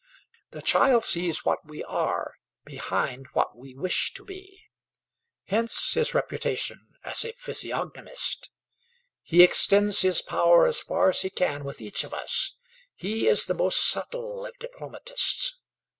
The child sees what we are, behind what we wish to be. Hence his reputation as a physiognomist. He extends his power as far as he can with each of us; he is the most subtle of diplomatists.